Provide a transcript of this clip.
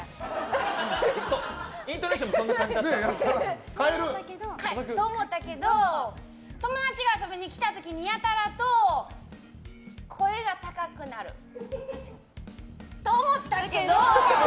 イントネーションもそんな感じだった。と思ったけど友達が遊びに来た時にやたらと声が高くなる。と思ったけど。